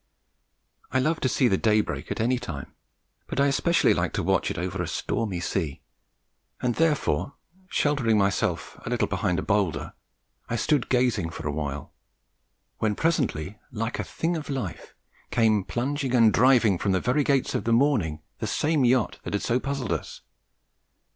I love to see the day break at any time, but I especially like to watch it over a stormy angry sea; and therefore sheltering myself a little behind a boulder, I stood gazing for a while, when presently, like a thing of life, came plunging and driving from the very gates of the morning the same yacht that had so puzzled us.